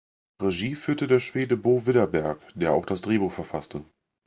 Regie führte der Schwede Bo Widerberg, der auch das Drehbuch verfasste.